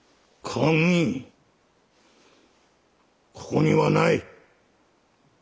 ここにはない。